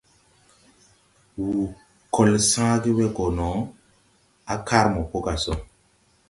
Wù kɔl sããge we gɔ no á kar mopo gà sɔ.